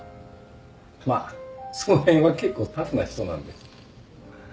その辺は結構タフな人なんで。